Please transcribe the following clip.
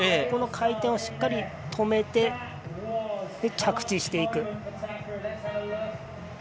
そこの回転をしっかり止めて着地していく。